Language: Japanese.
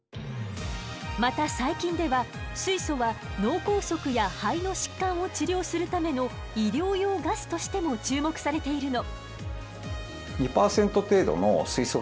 また最近では水素は脳梗塞や肺の疾患を治療するための医療用ガスとしても注目されているの。